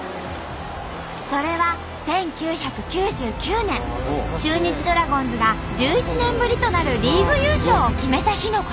それは１９９９年中日ドラゴンズが１１年ぶりとなるリーグ優勝を決めた日のこと。